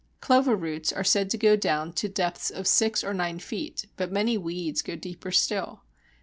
Clover roots are said to go down to depths of six or nine feet, but many weeds go deeper still.